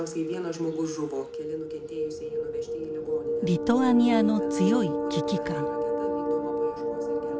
リトアニアの強い危機感。